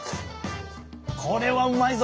これはうまいぞ！